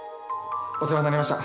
お世話になりました。